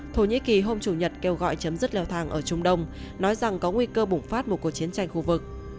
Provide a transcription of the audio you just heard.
thổ nhĩ kỳ hôm chủ nhật kêu gọi chấm dứt leo thang ở trung đông nói rằng có nguy cơ bùng phát một cuộc chiến tranh khu vực